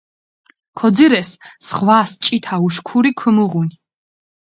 ქოძირეს, ზღვას ჭითა უშქური ქჷმუღუნი.